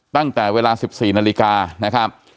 ตั้งแต่เวลา๑๔นาฬิกานะครับ